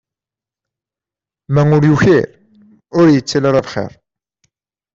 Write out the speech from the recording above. Ma ur yukir, ur yettili ara bxir.